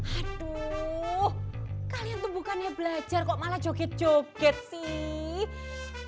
aduh kalian tuh bukannya belajar kok malah joget joget sih